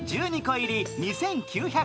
１２個入り２９００円。